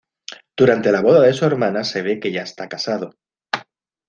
Durante la boda de su hermana se ve que ya está casado.